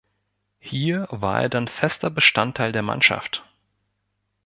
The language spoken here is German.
Hier war er dann fester Bestandteil der Mannschaft.